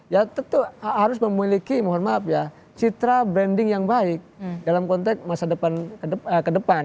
ya tentu harus memiliki mohon maaf ya citra branding yang baik dalam konteks masa depan